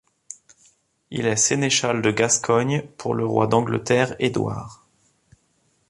Il est sénéchal de Gascogne pour le roi d'Angleterre Édouard.